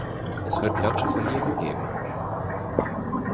Es wird lauter Verlierer geben.